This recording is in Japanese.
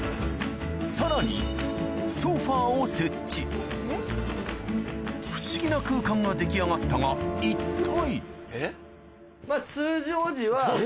さらにソファを設置不思議な空間が出来上がったが一体？